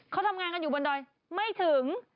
เขาทำงานกันอยู่บนดอยไม่ถึง